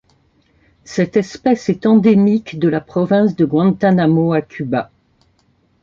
Cette espèce est endémique de la province de Guantanamo à Cuba.